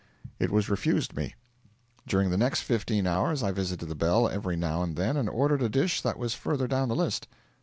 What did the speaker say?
It was refused me. During the next fifteen hours I visited the bell every now and then and ordered a dish that was further down the list.